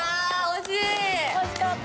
惜しい。